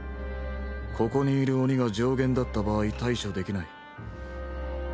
ここにいる鬼が上弦だった場合対処できない。